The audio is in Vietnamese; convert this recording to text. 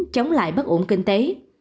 chống lại bất ổn kinh tế